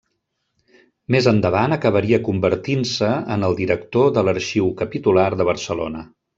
Més endavant acabaria convertint-se en el director de l'Arxiu Capitular de Barcelona.